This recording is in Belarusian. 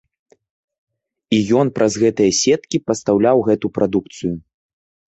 І ён праз гэтыя сеткі пастаўляў гэту прадукцыю.